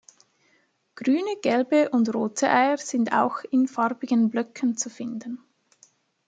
Grüne, gelbe und rote Eier sind auch in farbigen Blöcken zu finden.